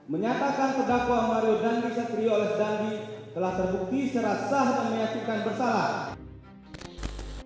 menyatakan pedakwa mario dandi satrio oles dandi telah terbukti serasa menyatukan bersalah